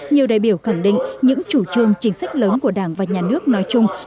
nhiều đại biểu khẳng định những chủ trương chính sách lớn của đảng và nhà nước nói chung